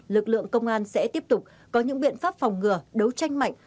lực lượng công an sẽ tiếp tục có những biện pháp phòng ngừa đấu tranh mạnh